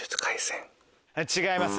違います